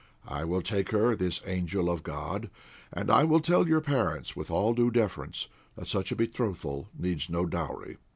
I will take her, this angel of God, and I will tell your parents, with all due deference, that such a betrothal needs no dowry."